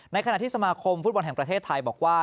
ขณะที่สมาคมฟุตบอลแห่งประเทศไทยบอกว่า